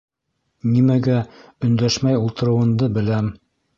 Нимәгә өндәшмәй ултырыуынды беләм.